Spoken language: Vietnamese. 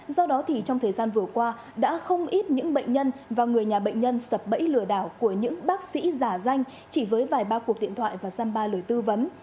do đó thì trong thời gian vừa qua đã không ít những bệnh nhân và người nhà bệnh nhân sập bẫy lừa đảo của những bác sĩ giả danh chỉ với vài ba cuộc điện thoại và gian ba lời tư vấn